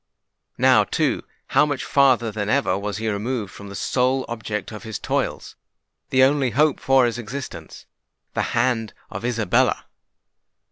Now, too, how much farther than ever was he removed from the sole object of his toils,—the only hope of his existence,—the hand of Isabella!